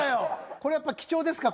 これやっぱ貴重ですか？